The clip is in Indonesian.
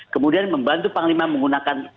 kemudian membantu panglima menggunakan